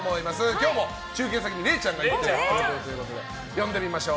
今日も中継先にれいちゃんが行ってくれているということで呼んでみましょう。